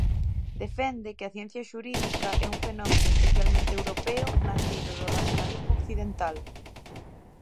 Defende que a ciencia xurídica é un fenómeno especificamente europeo, nacido do racionalismo occidental.